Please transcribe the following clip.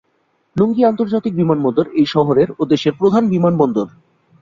লুঙ্গি আন্তর্জাতিক বিমানবন্দর এই শহরের ও দেশের প্রধান বিমানবন্দর।